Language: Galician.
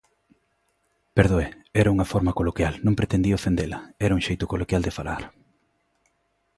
Perdoe, era unha forma coloquial, non pretendía ofendela, era un xeito coloquial de falar.